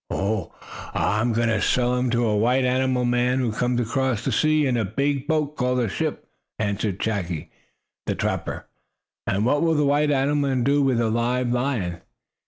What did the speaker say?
"Oh, I am going to sell him to a white animal man who comes from across the sea in a big boat called a ship," answered Chaki, the trapper. "And what will the white animal man do with a live lion?"